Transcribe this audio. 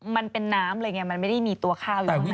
มันเป็นน้ำเลยไงมันไม่ได้มีตัวข้าวอยู่ข้างใน